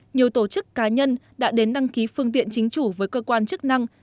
nhiều tổ chức cá nhân đã đến đăng ký phương tiện chính chủ với cơ quan chức năng